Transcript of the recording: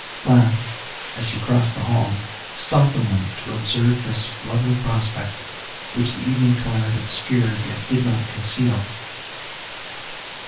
Blanche, as she crossed the hall, stopped a moment to observe this lovely prospect, which the evening twilight obscured, yet did not conceal.